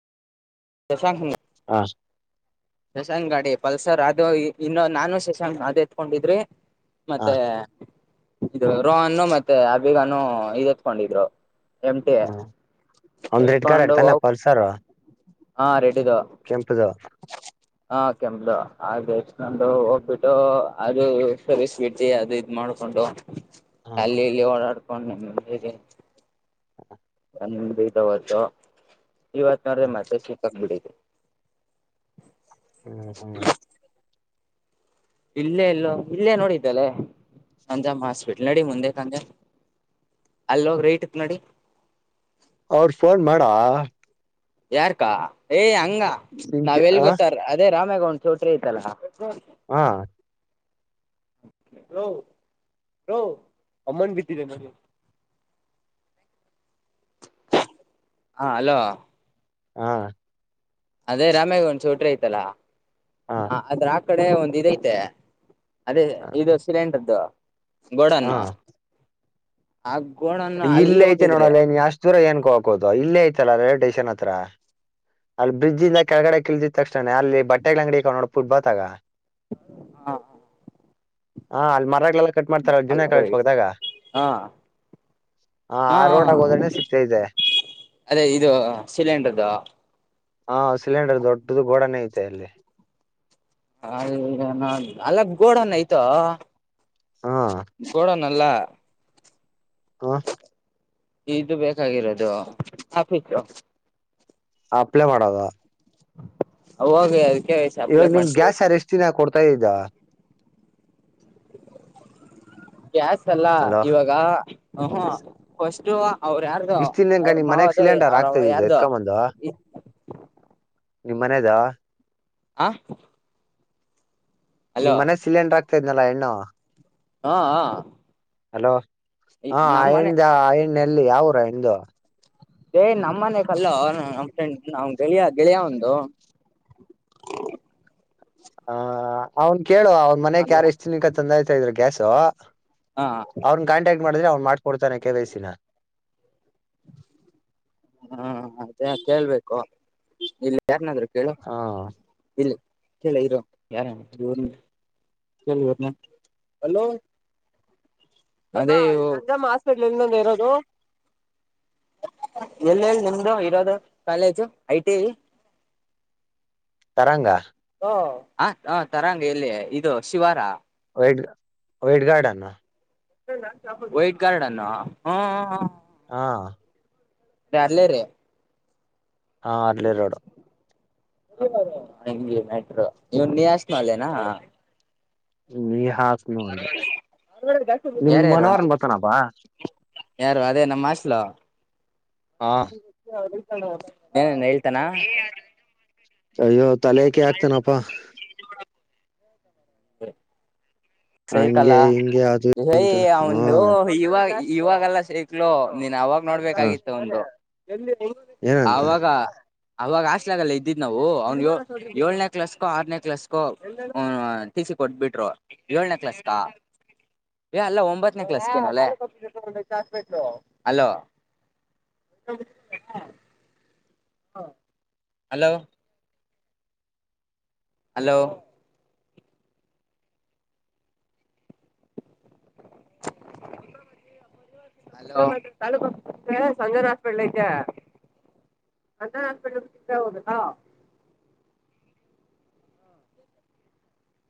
ಶಶಾಂಕ್ ದ ಹಾ ಶಶಾಂಕ್ ಗಾಡಿ ಪಲ್ಸರ್ ಅದು ಇನ್ನೊ ನಾನು ಶಶಾಂಕ್ ಅದ್ ಎತ್ಕೊಂಡಿದ್ರಿ ಹ ಮತ್ತೆ ಇದು ರೋಹನ್ನು ಮತ್ತೆ ಅಬಿಗನ್ನು ಇದ ಎತ್ಕೊಂಡಿದ್ರು. ಎಮ ಟಿ ಹ ಒಂದ್ ರೆಡ್ ಕಾರ್ ಎತಕೊಂಡ ಇಡ್ತಾನ [inaudible] ಹಾ ರೆಡ್ಡದ. ಕೆಂಪದ. ಹಾ ಕೆಮ್ದ ಹಾಗೆ ಎಷ್ಟ ನಂದು ಹೋಗ್ಬಿಟ್ಟು ಹಾಗೆ ಸರಿಸ್ಬಿಟ್ಟ ಅದ ಇದ. ಮಾಡಕೊಂಡು. [inaudible] ಅಲ್ಲಿ ಇಲ್ಲಿ ಓಡಾಡ್ಕೊಂಡು ನೆಮ್ಮದಿರಿ ನಂದ ಬಿಡತವತ್ತು ಇವತ್ ನೋಡ್ರೆ ಹ ಮತ್ತೆ ಚೀಕ್ಕಕ್ ಬಿಿಡತಿ ಹ್ಮ ಹ್ಮ ಇಲ್ಲೇ ಇಲ್ಲೋ ಇಲ್ಲೇ ನೋಡಿದ್ದಲ್ಲೆ ನಂಜಮ್ಮ ಹಾಸ್ಪಿಟ್ಲ್ ನಡಿ ಮುಂದೆ ಕಂಜ ಅಲ್ಲೋಗ ರೈಟ್ ನಾಡಿ ಅವ್ರ ಫೋನ್ ಮಾಡಾ ಯಾರ್ಕ್ಕಾ ಏಯ್ ಹಂಗ ನಿನ್ಗೆ ನಾವ್ ಎಲ್ ಹ ಗೊತ್ತಾರ ಅದೇ ರಾಮ್ಯಾಗ ಒನ್ ಚೋಟ್ರಿ ಐತಲ್ಲ ಹಾ ಲೋ ಲೋ ಅಮ್ಮನ್ ಬಿಟ್ಟಿದೆ ನನಗೆ ಹ ಅಲೋ ಹಾ ಅದೇ ರಾಮೇಗ ಒಂದ ಸ ಚಿಕ್ರೆ ಐತಲ್ಲ ಹ ಅದ್ರ ಆ ಕಡೆ ಒಂದ್ ಇದೈತೆ ಅದೇ ಇದು ಸಿಲಿಂಡ್ರದ್ದು ಹ ಗೋಡನ್ನು ಆ ಗೋಣನು ಅಲ್ಲಿ ಹೋಗಿದ್ರೆ ಚೂರ ಏನ್ಕೋ ಹಾಕೋದು ಇಲ್ಲೇ ಐತಲ್ಲ ಟೇಷನ್ ಹತ್ರ ಅಲ್ಲಿ ಬ್ರಿಡ್್ಜಿಂದ ಕೆಳಗಡೆ ಕಳಿದ ತಕ್ಷಣೇ ಅಲ್ಲಿ ಬಟ್ಟೆಗಳ ಅಂಗಡಿಕೊಂಡ ನೋ ಫುಟ್ ಬಾತ್ ಆಗ ಹ ಹ ಅಲ್ಲಿ ಮರಗ್ಲೆಲ್ಲ ಕಟ್ ಮಾಡ್ತಾರ ಜುನ ಕಳದಾಗ ಹಾ ಹಾ ಆ ರೋಡಾಗ ಹೋದ್ರನೆ ಸಿಗ್ತಾ ಇದೆ ಅದೇ ಇದು ಸಿಲಿಂಡರ್ದುು ಹಾ ಸಿಲಿಂಡರ್ ದೊಡ್ಡದು ಗೋಡನೇ ಐತೆ ಅಲ್ಲಿ ಅ ಅಲ್ಲ ಗೋಡನ್ನ ಆಯ್ತ ಹ ಗೋಡ ನಲ್ಲ ಹ ಇದು ಬೇಕಾಗಿರೋದು ಆಫೀಸು ಅಪ್ಲೈ ಮಾಡೋದ ಅವ್ವಗ್ ಅಡುಕೆ ಎಸ ಇವಾಗ ನಿಮ್ ಗ್ಯಾಸ್ ಸಾರು ಎಷ್ಟು ದಿನ ಕೊಡ್ತಾ ಇದ್ದಾ ಗ್ಯಾಸ್ ಅಲ್ಲ ಅಲೋ ಇವಾಗ ಫಸ್ು ಅವ್ರ ಯಾರ ಇಷ್ಟ ತಿಿನಂಕ ನಿ್ ಮನ್ಯಾಗ ಸಿಲಿಂಡರ್ ಆಗ್ತ ಇದಿದದು ಯಾರ್ದು ಎತ್ಕೊಂಬಂದ ನಿಮ್ ಮನೆದಾ ಆ ನಿಮ್ ಮನೆ ಸಿಲಿಂಡರ್ ಆಗ್ತಾ ಇದ್ನಲ್ಲ ಹೆಣ್ಣು ಹಾ ಹಲೋ ಹ ನಮ್ಮ ಮನೆ ಆ್ದ ಆಣ್ಣ ಎಲ್ಲಿ ಯಾವರ ಹ್ದು ಏಯ್ ನಮ್ಮ್ನೆ ಕಲ್ಲೋ ನಮ್ಮ ಫ್ರೆಂಡ್ ನಾ್ ಗೆಳಿಯ ಗೆಳಿಯ ಒಂದು ಹ ಅವ್ನ್ ಕೇಳು ಅವನ್ ಮನಯಕ್ ಅಲ್ಲ ಯಾರ ಎಷ್ಟು ದಿನಕ್ಕ ತಂದಾಯ್ತ ಇದ್ರ ಗ್ಯಾಸು ಹಾ ಹ ಅವ್ರಿಗೆ ಕಾಂಟಕ್ಟ್ ಮಾಡಿದ್ರೆ ಅವ್ ಮಾಡಕ ಕೊಡ್ತಾನ ಕೆ ವೈಸಿನ ಹಾ ಅದೇ ಕೇಳ್ಬೇಕು ಇಲ್ಲಿ ಯಾರ್ನಾದ್ ಹೇಳು ಹ ಇಲ್ಲಿ ಕೇಳ ಇರ ಯಾರ ಕ ಅಲೋ ಅದೇ ನಮ್ಮ ಹಾಸ್ಪೆಟ್ಲ್ಂದ ಇರೋದು ಎಲ್ಲೆಲ್ಲಿ ನಿಮ್ದು ಇರೋದು ಕಾಲೇಜು ಐ ಟಿ ತರಂಗ ಓ ಆ ಹ ತರಾಂಗ ಎಲ್ಲಿ ಇದು ಶಿವಾರ ವೈಟ್ ವೈಟ್ಗಾರ್ಡ್ನಾ ವೈಟ್ ಕಾರ್ಡ್ ಅನ್ನು ಹಾ ಹಾ ರ ಅರ್ಲ ರೀ ಹಾಂ ಅರ್ಲಿೇ ರೋಡ ಹಂಗಗೆ ಮೆಟರು ಇವ್ನ್ ನೀಯಶ್ಮಾಲೆನಾ ನೀ ಹಾಕ್ನು ಅಂದೆ ನಿಮ್ ಯಾರ್ಯಾರು ಮನವರ್ನ್ ಬರ್ತಾನಪ್ಪಾ ಯಾರು ಅದೇ ನಮ್ಮ ಅಸ್ಲ ಹಾ ಏನ ಹೇಳ್ತಾನ ಅಯ್ಯೋ ತಲೆಕೆ ಆಗ್ತನಪ್ಪಾ ಹಂಗೆ ಹಿಂಗೆ ಅದು ಸೇೇಕಲ್ಲಯ ಅಂತ ಹ ಅವಂದು ಇವಾಗ ಇವಾಗೆಲ್ಲ ಸಕ್ಲು ನೀನ್ ಅವಾಗ ಹ ನೋಡ್ಬೇಕಾಗಿತ್ತು ಒಂದು ಏನಂತ ಅವವಾಗ ಅವಾಗ ಹಸ್ಲಾಗಲ್ಲ ಇದ್ದಿದ್ ನಾವು ಅವ್ನ್ ಏಳನೇ ಕ್ಲಾಸ್ಕೋ ಆರನೇ ಕ್ಲಾಸ್ಕೋ ತಿಸಿ ಕೊಟ್ಬಿಟ್ರು ಏಳ್ನೇ ಕ್ಲಾಸ್ಕಾ ಏ ಅಲ್ಲ ಒಂಬತ್ತನೇ ಕ್ಲಾಸ್ ಅಲ್ಲ [inaudible] ಹಲೋ ಹಲೋ [unintelligible] ಹೇಳೊ ಸಂಜನ್ ಹಾಸ್ಪಿಟ್ಲಐತೆ ಸಂಜನಾ ಹಾಸ್ಪಿಟಾಲ್ ಕಡೇ ಹೋಗಬೇಕಾ